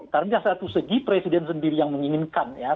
karena ini adalah satu segi presiden sendiri yang menginginkan ya